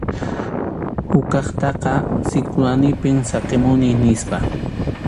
Huk kaqtaqa Sikwanipim saqimuni nispa.